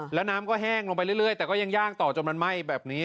แล้วน้ำก็แห้งลงไปเรื่อยแต่ก็ยังย่างต่อจนมันไหม้แบบนี้